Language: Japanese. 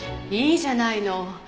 いいじゃないの。